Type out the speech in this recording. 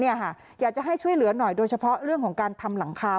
อยากจะให้ช่วยเหลือหน่อยโดยเฉพาะเรื่องของการทำหลังคา